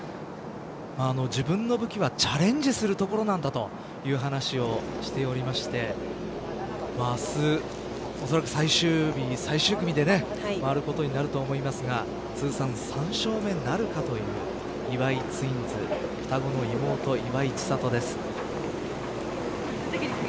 自分の武器はチャレンジするところなんだという話をしておりまして明日恐らく最終日、最終組で回ることになると思いますが通算３勝目なるかという岩井ツインズ双子の妹、岩井千怜です。